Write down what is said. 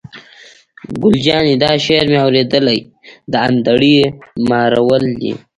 ګل جانې: دا شعر مې اورېدلی، د انډرې مارول دی.